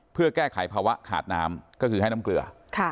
เพื่อแก้ไขภาวะขาดน้ำก็คือให้น้ำเกลือ